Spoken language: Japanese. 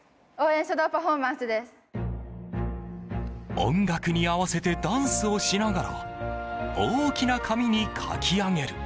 音楽に合わせてダンスをしながら大きな紙に書き上げる。